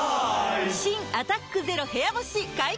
新「アタックＺＥＲＯ部屋干し」解禁‼